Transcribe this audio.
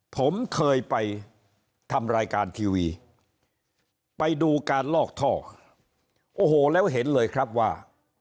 ผมเคยไปทำรายการทีวีไปดูการลอกท่อโอ้โหแล้วเห็นเลยครับว่า